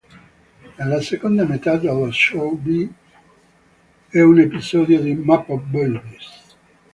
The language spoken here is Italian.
Nella seconda metà dello show, vi è un episodio di Muppet Babies.